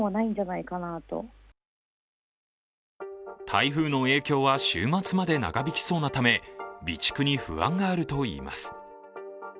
台風の影響は週末まで長引きそうなため、備蓄に不安があるといいます。